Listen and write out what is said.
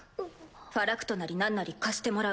ファラクトなりなんなり貸してもらう。